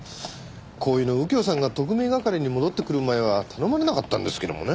こういうの右京さんが特命係に戻ってくる前は頼まれなかったんですけどもね。